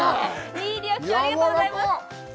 いいリアクションありがとうございます